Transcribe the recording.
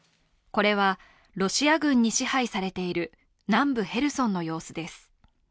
これはロシア軍に支配されている南部ヘルソンの様子です。